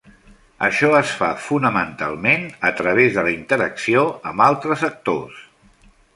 Això es fa, fonamentalment, a través de la interacció amb altres actors.